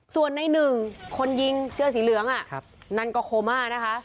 ส่วนในหนึ่งคนยิงเสื้อสีเหลืองนั่นก็โคม่านะคะ